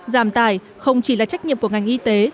giảm tài không chỉ là trách nhiệm của ngành y tế